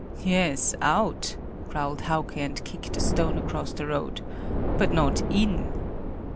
"Yes, out!" growled Hauke and kicked a stone across the road; "but not in!"